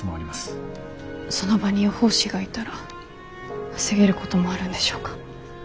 その場に予報士がいたら防げることもあるんでしょうか。